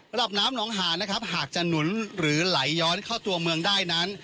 ระดับน้ำน้องหานะครับหากจะหนุนหรือไหลย้อนเข้าตัวเมืองได้นั้น